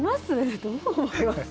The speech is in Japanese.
どう思います？